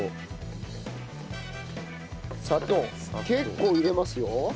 砂糖結構入れますよ。